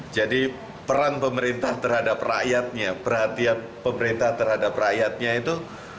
jadi peran pemerintah terhadap rakyatnya perhatian pemerintah terhadap rakyatnya itu